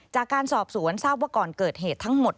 จากการสอบสวนทราบว่าก่อนเกิดเหตุทั้งหมด